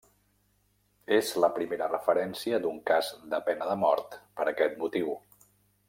És la primera referència d'un cas de pena de mort per aquest motiu.